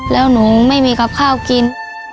แล้วหนูไม่มีกับข้าวกิน